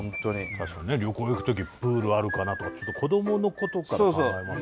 確かにね旅行行く時プールあるかなとか子どものことから考えますよね。